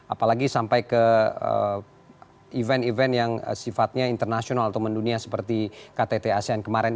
apalagi sampai ke event event yang sifatnya internasional atau mendunia seperti ktt asean kemarin